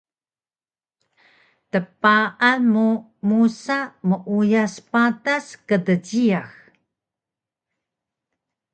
tpaan mu musa meuyas patas kdjiyax